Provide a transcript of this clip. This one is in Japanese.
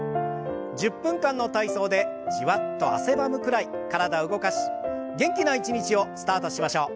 １０分間の体操でじわっと汗ばむくらい体を動かし元気な一日をスタートしましょう。